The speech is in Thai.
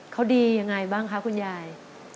เขาดีอย่างไรบ้างครับคุณยาย